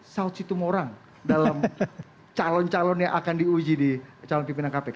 saud situmorang dalam calon calon yang akan diuji di calon pimpinan kpk